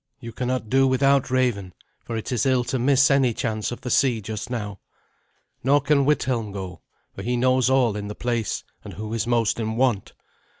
You cannot do without Raven; for it is ill to miss any chance of the sea just now. Nor can Withelm go, for he knows all in the place, and who is most in want.